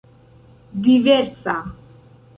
diversa